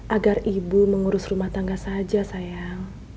agar ibu mengurus rumah tangga saja sayang